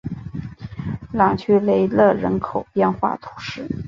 朗屈雷勒人口变化图示